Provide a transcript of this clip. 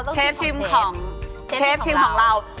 เชฟชิมของเรา